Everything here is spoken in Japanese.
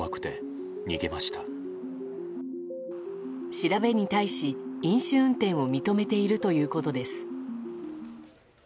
調べに対し、飲酒運転を認めているということです。